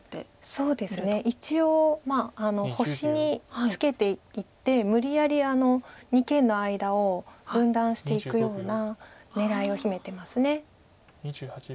そうですね一応星にツケていって無理やり二間の間を分断していくような狙いを秘めてます。